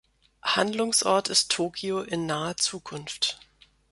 Handlungsort ist Tokio in naher Zukunft.